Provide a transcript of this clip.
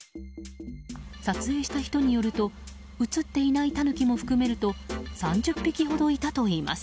撮影した人によると映っていないタヌキも含めると３０匹ほどいたといいます。